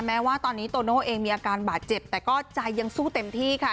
แม้ว่าตอนนี้โตโน่เองมีอาการบาดเจ็บแต่ก็ใจยังสู้เต็มที่ค่ะ